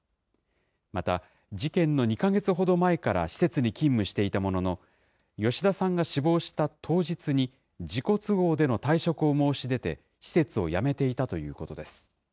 また事件の２か月ほど前から施設に勤務していたものの、吉田さんが死亡した当日に、自己都合での退職を申し出て、施設を辞めていたということです。